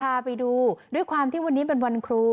พาไปดูด้วยความที่วันนี้เป็นวันครู